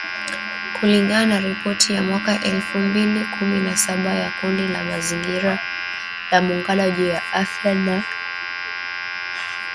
kulingana na ripoti ya mwaka elfu mbili kumi na saba ya kundi la kimazingira la Muungano juu ya Afya na Uchafuzi.